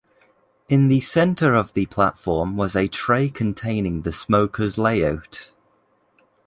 In the center of the platform was a tray containing the smoker's layout.